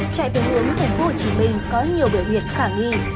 chạy về hướng thành phố hồ chí minh có nhiều biểu hiện khả nghi